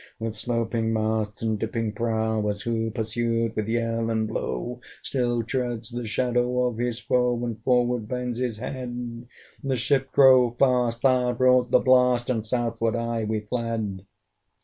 With sloping masts and dipping prow, As who pursued with yell and blow Still treads the shadow of his foe And forward bends his head, The ship drove fast, loud roared the blast, And southward aye we fled.